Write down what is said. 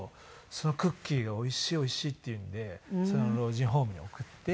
そのクッキーが「おいしいおいしい」って言うんでそれを老人ホームに送って。